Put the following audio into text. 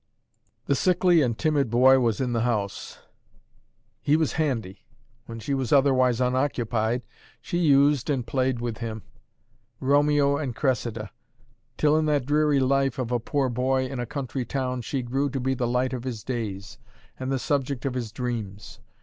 The sickly and timid boy was in the house; he was handy; when she was otherwise unoccupied, she used and played with him: Romeo and Cressida; till in that dreary life of a poor boy in a country town, she grew to be the light of his days and the subject of his dreams.